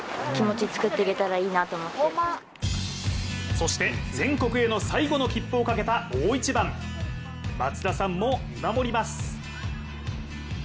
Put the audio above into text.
そして、全国への最後の切符をかけた大一番松田さんも見守ります。